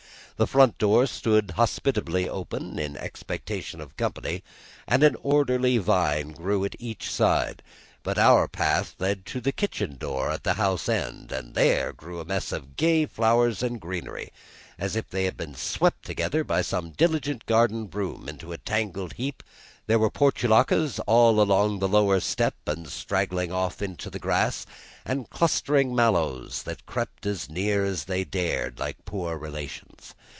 The front door stood hospitably open in expectation of company, and an orderly vine grew at each side; but our path led to the kitchen door at the house end, and there grew a mass of gay flowers and greenery, as if they had been swept together by some diligent garden broom into a tangled heap: there were portulacas all along under the lower step and straggling off into the grass, and clustering mallows that crept as near as they dared, like poor relations.